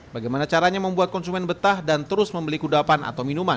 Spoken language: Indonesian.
bagaimana caranya membuat konsumen betah dan terus membeli kudapan atau minuman